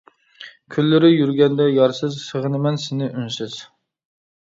كۈنلىرى يۈرگەندە يارسىز، سېغىنىمەن سېنى ئۈنسىز.